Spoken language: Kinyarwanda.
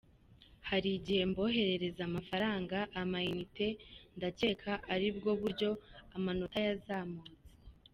Hari igihe mboherereza amafaranga, ama-unites, ndacyeka ari bwo buryo amanota yazamutse”.